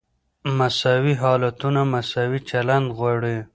مساوي حالتونه مساوي چلند غواړي.